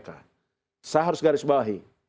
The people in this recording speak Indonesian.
saya harus garis bawahi